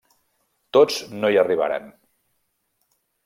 Tots no hi arribaran.